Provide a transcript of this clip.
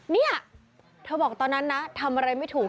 เนี่ยเธอบอกตอนนั้นนะทำอะไรไม่ถูก